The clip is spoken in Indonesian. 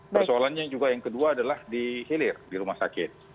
persoalannya juga yang kedua adalah dihilir di rumah sakit